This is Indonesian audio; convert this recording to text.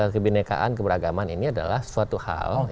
kebenekaan keberagaman ini adalah suatu hal